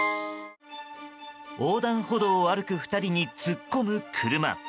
横断歩道を歩く２人に突っ込む車。